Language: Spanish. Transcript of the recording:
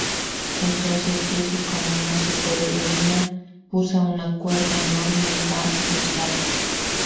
Entonces Jessie, como una superheroína usa una cuerda enorme y va y los salva.